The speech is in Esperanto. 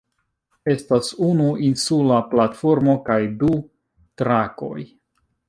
Estas unu insula platformo kaj du trakoj.